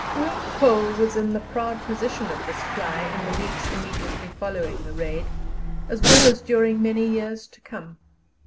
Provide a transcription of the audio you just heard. Oom Paul was in the proud position of this fly in the weeks immediately following the Raid, as well as during many years to come.